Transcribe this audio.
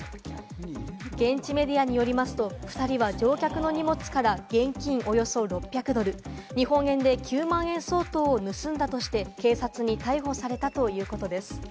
現地メディアによりますと、２人は乗客の荷物から現金およそ６００ドル、日本円で９万円相当を盗んだとして警察に逮捕されたということです。